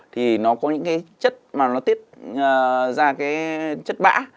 thì nó có những cái chất mà nó tiết ra cái chất bã